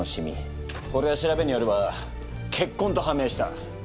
これは調べによれば血痕と判明した！